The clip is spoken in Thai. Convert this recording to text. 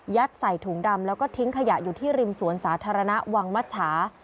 ใส่ถุงดำแล้วก็ทิ้งขยะอยู่ที่ริมสวนสาธารณะวังมัชชา